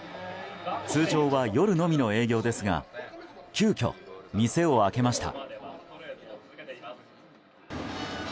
通常は夜のみの営業ですが急きょ店を開けました。